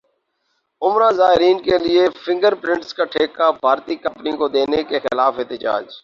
عمرہ زائرین کیلئے فنگر پرنٹ کا ٹھیکہ بھارتی کمپنی کو دینے کیخلاف احتجاج